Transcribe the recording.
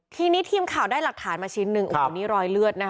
ทีนี้ทีมข่าวได้หลักฐานมาชิ้นหนึ่งโอ้โหนี่รอยเลือดนะคะ